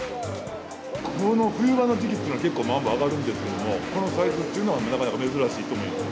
この冬場の時期っていうのは結構マンボウ揚がるんですけれども、このサイズっていうのは、なかなか珍しいと思います。